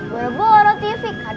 boro boro tv kardusnya aja gak ada